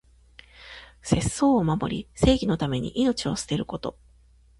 節操を守り、正義のために命を捨てること。